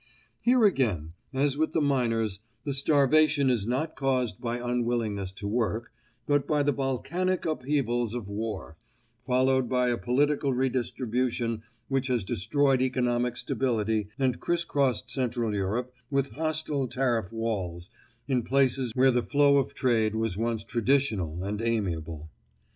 Here again, as with the miners, the starvation is not caused by unwillingness to work, but by the volcanic upheavals of war, followed by a political redistribution which has destroyed economic stability and criss crossed Central Europe with hostile tariff walls in places where the flow of trade was once traditional and amiable.